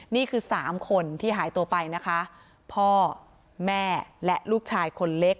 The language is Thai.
นี่คือสามคนที่หายตัวไปนะคะพ่อแม่และลูกชายคนเล็ก